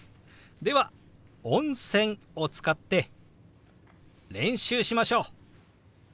では「温泉」を使って練習しましょう。